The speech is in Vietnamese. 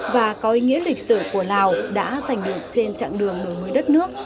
và có ý nghĩa lịch sử của lào đã giành được trên chặng đường một mươi đất nước